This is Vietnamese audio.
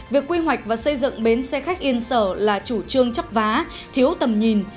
việc quy hoạch và xây dựng bến xe khách yên sở là chủ trương chấp vá thiếu tầm nhìn